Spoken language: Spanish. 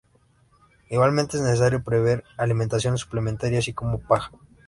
Igualmente, es necesario prever alimentación suplementaria así como paja.